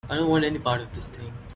I don't want any part of this thing.